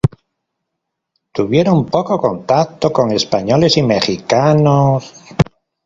Tuvieron poco contacto con españoles y mexicanos.